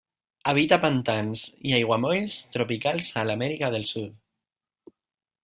Habita pantans i aiguamolls tropicals d'Amèrica del Sud.